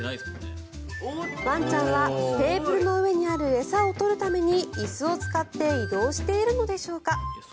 ワンちゃんはテーブルの上にある餌を取るために椅子を使って移動しているのでしょうか。